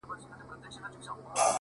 زه د جنتونو و اروا ته مخامخ يمه،